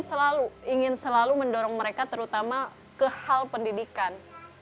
kalau ayah sih ingin selalu mendorong mereka terutama ke hal pendidikan